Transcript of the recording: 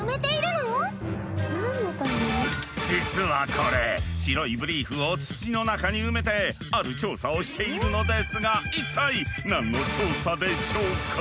実はこれ白いブリーフを土の中に埋めてある調査をしているのですが一体何の調査でしょうか？